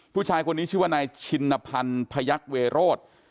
ผู้ชายคนนี้ชื่อว่านายชินพันธ์พยักษ์เวโรธ